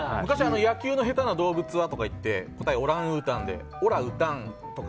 野球の下手な動物はとかいって答え、オラウータンでおら打たんとか。